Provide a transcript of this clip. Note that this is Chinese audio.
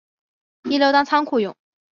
一楼当仓库用